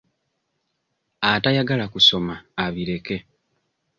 Atayagala kusoma abireke.